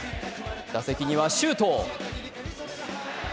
打席には周東。